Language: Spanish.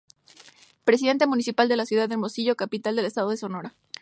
Presidente Municipal de la ciudad de Hermosillo, capital del estado de Sonora.